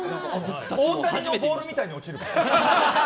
大谷のボールみたいに落ちるんです。